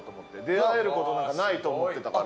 出会える事なんかないと思ってたから。